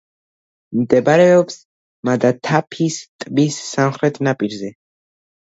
მდებარეობს მადათაფის ტბის სამხრეთ ნაპირზე.